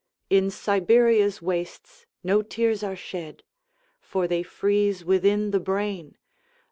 In Siberia's wastesNo tears are shed, For they freeze within the brain.